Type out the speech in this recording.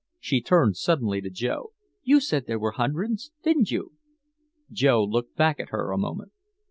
She turned suddenly to Joe. "You said there were hundreds, didn't you?" Joe looked back at her a moment.